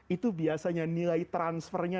itu biasanya nilai transfernya